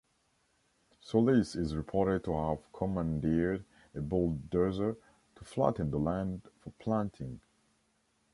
Solis is reported to have commandeered a bulldozer to flatten the land for planting.